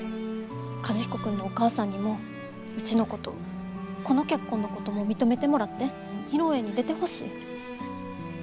和彦君のお母さんにもうちのことこの結婚のことも認めてもらって披露宴に出てほしい。